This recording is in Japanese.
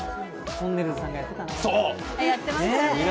とんねるずさんがやってたな。